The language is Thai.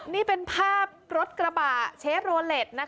นี่เป็นภาพรถกระบาชะโรเลสนะคะ